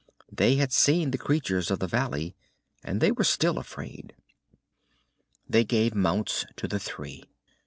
They had seen the creatures of the valley, and they were still afraid. They gave mounts to the three.